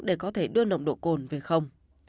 để có thể đưa nồng độ cồn về không